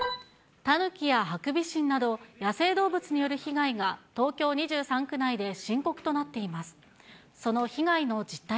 タヌキやハクビシンなど、野生動物による被害が東京２３区内で深刻となっています。